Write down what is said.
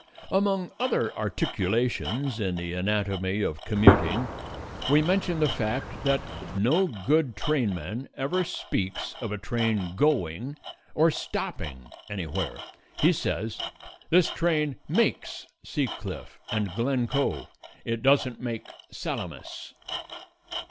Among other articulations in the anatomy of commuting, we mention the fact that no good trainman ever speaks of a train going or stopping anywhere. He says, "This train makes Sea Cliff and Glen Cove; it don't make Salamis."